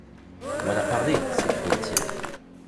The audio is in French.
Voilà parler! s’écria-t-il.